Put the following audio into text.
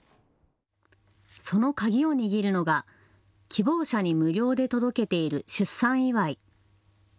その鍵を握るのが希望者に無料で届けている出産祝。